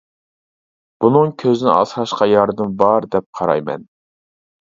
بۇنىڭ كۆزنى ئاسراشقا ياردىمى بار دەپ قارايمەن.